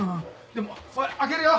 でもおい開けるよ！